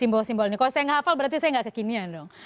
kalau saya nggak hafal berarti saya nggak kekinian dong